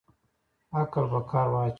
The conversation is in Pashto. عقل په کار واچوه